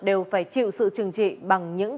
đều phải chịu sự trừng trị bằng những